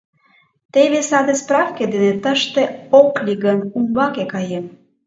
Теве саде справке дене, тыште ок лий гын, умбаке каем.